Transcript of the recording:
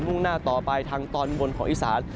่งหน้าต่อไปทางตอนบนของอีสาน